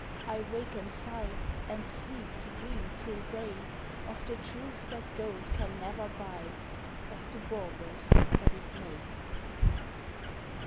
I wake and sigh, And sleep to dream till day Of the truth that gold can never buy Of the baubles that it may.